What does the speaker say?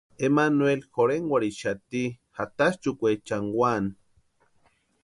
Emmanueli jorhenkwarhixati jatanchʼukwechani úani.